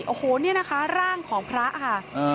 โอ้โหนี่นะคะร่างของพระค่ะ